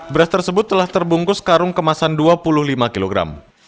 beras tersebut telah terbungkus karung kemasan dua puluh lima kilogram